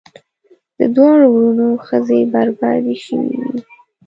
د دواړو وروڼو ښځې بربادي شوې وې.